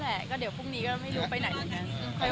แล้วมึงขอแต่งงานเลย